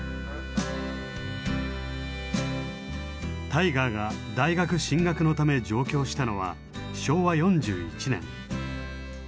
タイガーが大学進学のため上京したのは昭和４１年。